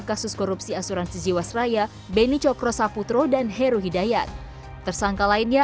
kasus korupsi asuransi jiwasraya beni cokro saputro dan heru hidayat tersangka lainnya